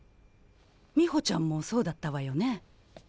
美穂ちゃんもそうだったわよね？